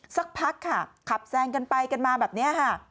สักพักขับแซงกันไปกันมาแบบนี้